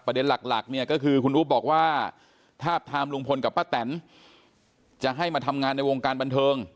หลักเนี่ยก็คือคุณอุ๊บบอกว่าทาบทามลุงพลกับป้าแตนจะให้มาทำงานในวงการบันเทิง